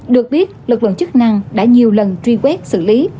được biết lực lượng chức năng đã nhiều lần truy quét xử lý